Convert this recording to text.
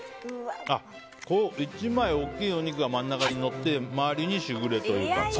１枚大きいお肉が真ん中にのって周りにしぐれ煮というか。